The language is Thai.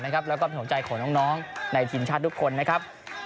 แล้วก็เป็นหัวใจของน้องในทีมชาติทุกคนนะครับ